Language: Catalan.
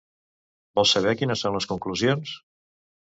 Vols saber quines són les conclusions?